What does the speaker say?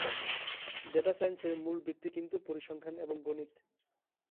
Data সাইন্সের মূল ভিত্তি কিন্তু পরিসংখ্যান এবং গনিত।